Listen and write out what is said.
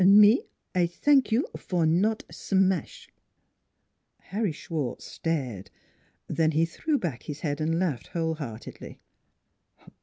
Me I t'ank you for not sm ash." Harry Schwartz stared. Then he threw back his head and laughed whole heartedly.